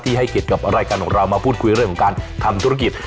ให้เกียรติกับรายการของเรามาพูดคุยเรื่องของการทำธุรกิจ